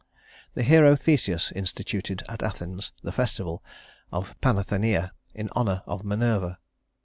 The hero Theseus instituted at Athens the festival of Panathenæa in honor of Minerva.